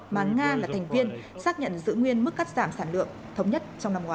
mà nga là thành viên xác nhận giữ nguyên mức cắt giảm sản lượng thống nhất trong năm ngoái